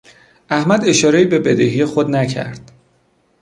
احمد اشارهای به بدهی خود نکرد.